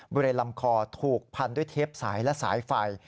บริเวณลำคอถูกพันด้วยเทปสายและสายไฟ